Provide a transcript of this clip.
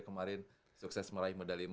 kemarin sukses meraih medali